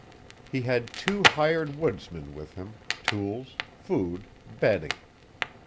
He had two hired woodsmen with him, tools, food, bedding.